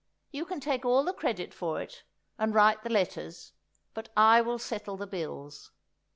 You can take all the credit for it, and write the letters, but I will settle the bills."